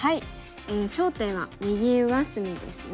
焦点は右上隅ですね。